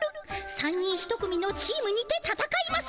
３人１組のチームにてたたかいます。